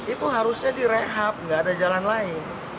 itu harusnya direhab nggak ada jalan lain